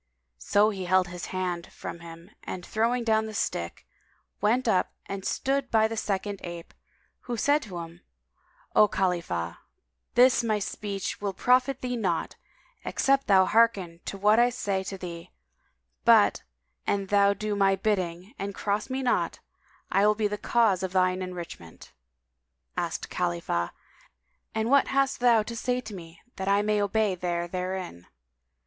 So he held his hand from him and throwing down the stick, went up to and stood by the second ape, who said to him, "O Khalifah, this my speech [FN#191] will profit thee naught, except thou hearken to what I say to thee; but, an thou do my bidding and cross me not, I will be the cause of thine enrichment." Asked Khalifah, "And what hast thou to say to me that I may obey there therein?"